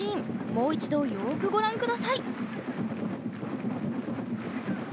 もう一度よくご覧下さい。